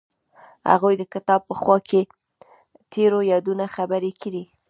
هغوی د کتاب په خوا کې تیرو یادونو خبرې کړې.